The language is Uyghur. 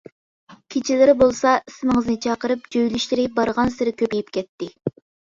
كېچىلىرى بولسا ئىسمىڭىزنى چاقىرىپ جۆيلۈشلىرى بارغانسېرى كۆپىيىپ كەتتى.